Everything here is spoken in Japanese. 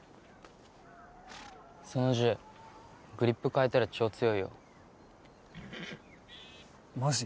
その銃グリップ変えたら超強いよマジ？